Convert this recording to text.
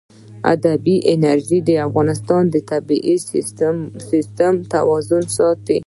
بادي انرژي د افغانستان د طبعي سیسټم توازن ساتي.